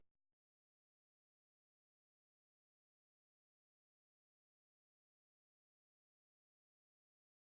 terima kasih pak arief